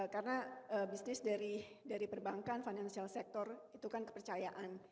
karena bisnis dari perbankan financial sector itu kan kepercayaan